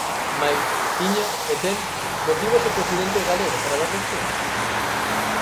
Mais, tiña, e ten, motivos o presidente galego para dar leccións?